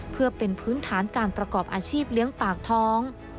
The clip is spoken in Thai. เพื่อเป็นพื้นฐานการประกอบอาชีพเลี้ยงปากท้อง